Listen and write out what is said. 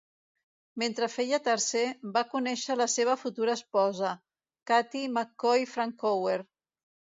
Mentre feia tercer, va conèixer la seva futura esposa, Catie McCoy Francoeur.